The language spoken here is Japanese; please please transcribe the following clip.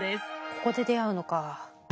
ここで出会うのか。